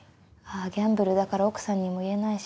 あぁギャンブルだから奥さんにも言えないし